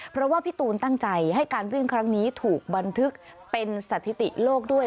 เพราะว่าพี่ตูนตั้งใจให้การวิ่งครั้งนี้ถูกบันทึกเป็นสถิติโลกด้วย